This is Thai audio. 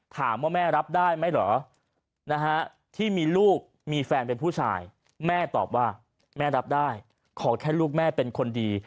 ถามว่าแม่รับได้ไหมเหรอที่มีลูกมีแฟนเป็นผู้ชายแม่ตอบว่าแม่รับได้ขอแค่ลูกแม่เป็นคนดี